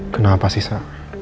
kenapa sih sa